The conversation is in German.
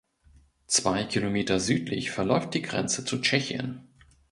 Zwei Kilometer südlich verläuft die Grenze zu Tschechien.